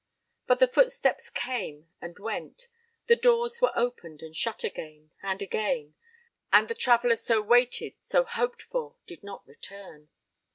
But the footsteps came and went, the doors were opened and shut again and again, and the traveller so waited, so hoped for did not return.